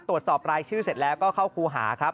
ตรวจสอบรายชื่อเสร็จแล้วก็เข้าครูหาครับ